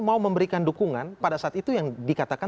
mau memberikan dukungan pada saat itu yang dikatakan